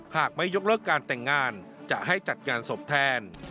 หากไม่ยกเลิกการแต่งงานจะให้จัดงานศพแทน